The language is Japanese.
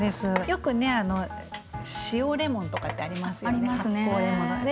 よくね塩レモンとかってありますよね？